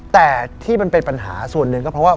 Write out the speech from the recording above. แต่ที่มันเป็นปัญหาส่วนหนึ่งก็เพราะว่า